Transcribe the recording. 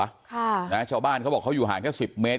ค่ะนะชาวบ้านเขาบอกเขาอยู่ห่างแค่สิบเมตร